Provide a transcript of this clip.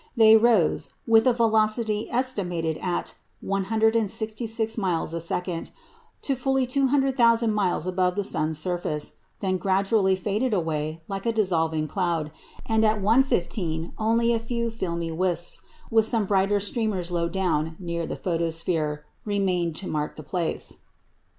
They rose, with a velocity estimated at 166 miles a second, to fully 200,000 miles above the sun's surface, then gradually faded away like a dissolving cloud, and at 1.15 only a few filmy wisps, with some brighter streamers low down near the photosphere, remained to mark the place."